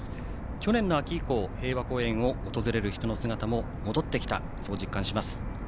去年の秋以降、平和公園を訪れる人の姿も戻ってきたと実感します。